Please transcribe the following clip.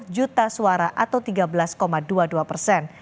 empat juta suara atau tiga belas dua puluh dua persen